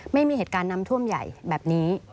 ไม่มีเหตุการณ์น้ำท่วมใหญ่แบบนี้